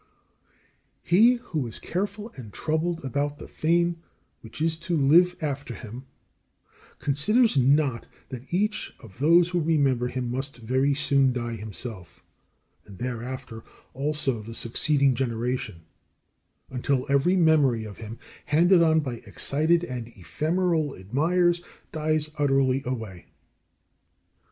19. He who is careful and troubled about the fame which is to live after him considers not that each one of those who remember him must very soon die himself, and thereafter also the succeeding generation, until every memory of him, handed on by excited and ephemeral admirers, dies utterly away.